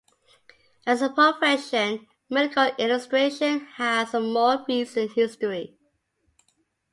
As a profession, medical illustration has a more recent history.